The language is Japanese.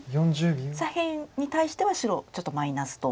左辺に対しては白ちょっとマイナスと。